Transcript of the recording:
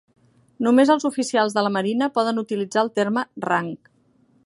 Només els oficials de la Marina poden utilitzar el terme "rang".